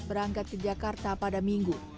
berangkat ke jakarta pada minggu